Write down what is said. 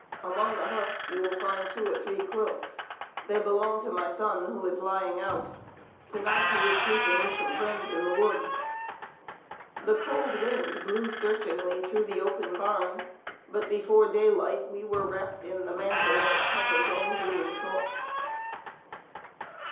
"Among the husks you will find two or three quilts. They belong to my son, who is lying out. To night he is sleeping with some friends in the woods." The cold wind blew searchingly through the open barn, but before daylight we were wrapped in "the mantle that covers all human thoughts."